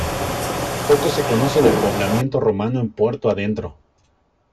Poco se conoce del poblamiento romano en Puerto Adentro.